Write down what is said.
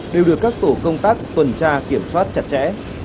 đều được các tổ công tác tuần tra kiểm soát chặt chẽ